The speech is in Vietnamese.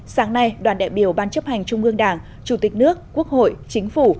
sáng nay đoàn đại biểu ban chấp hành trung ương đảng chủ tịch nước quốc hội chính phủ